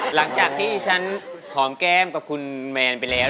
หลังจากที่ฉันหอมแก้มกับคุณแมนไปแล้ว